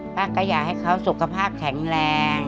ก็อยากให้เขาสุขภาพแข็งแรง